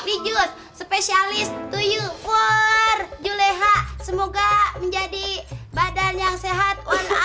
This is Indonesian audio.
figure spesialis to you for juleha semoga menjadi badan yang sehat